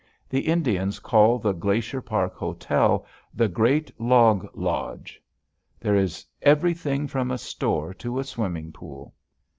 The Indians call the Glacier Park Hotel the "Great Log Lodge." There is everything from a store to a swimming pool.